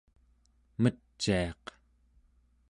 meciaq